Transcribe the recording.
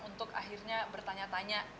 untuk akhirnya bertanya tanya